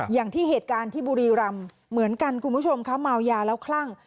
อย่างที่เหตุการณ์ที่บุรีรำเหมือนกันคุณผู้ชมค่ะเมายาแล้วคลั่ง